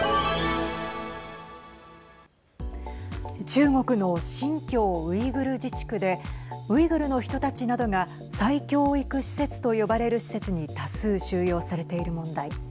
中国の新疆ウイグル自治区でウイグルの人たちなどが再教育施設と呼ばれる施設に多数収容されている問題。